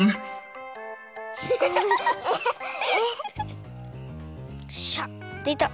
えっ！っしゃ！でた。